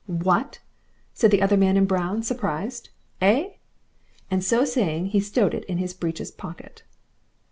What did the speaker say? "What!" said the other man in brown, surprised. "Eigh?" And so saying he stowed it in his breeches pocket.